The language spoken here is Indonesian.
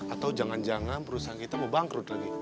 atau jangan jangan perusahaan kita mau bangkrut lagi